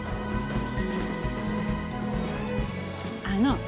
あの。